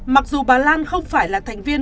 mặc dù bà lan không phải là thành viên